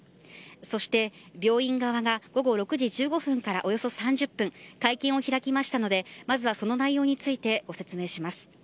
そして病院側が午後６時１５分からおよそ３０分会見を開きましたのでまず、その内容についてご説明します。